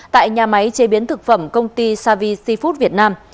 tại nhà máy chế biến thực phẩm công ty savi food việt nam